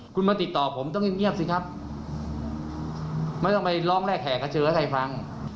คุณมาติดต่อผมต้องเงียบสิครับไม่ต้องไปร้องแรกแขกกระเชิญให้ใครฟัง